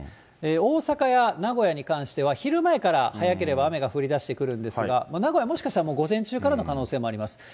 大阪や名古屋に関しては、昼前から早ければ雨が降りだしてくるんですが、名古屋、もしかしたら、もう午前中からの可能性もあります。